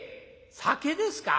酒ですか。